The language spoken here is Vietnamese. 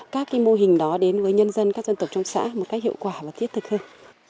các mô hình đó đến với nhân dân các dân tộc trong xã một cách hiệu quả và thiết thực hơn